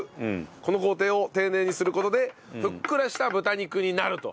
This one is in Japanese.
この工程を丁寧にする事でふっくらした豚肉になると。